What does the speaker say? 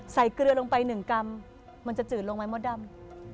ใส่เกลือลงไปหนึ่งกรรมมันจะจืดลงไว้มดดำ